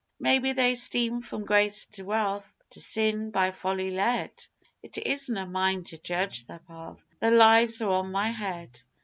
Maybe they steam from grace to wrath to sin by folly led, It isna mine to judge their path their lives are on my head.